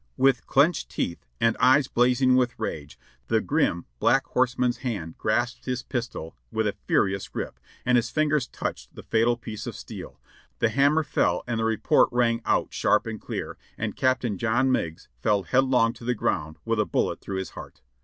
With clenched teeth and eyes blazing with rage, the grim Black Horseman's hand grasped his pistol with a furious grip, and his fingers touched the fateful piece of steel; the hammer fell and the report rang cut sharp and clear, and Captain John Meigs fell headlong to the ground with a bullet through his heart.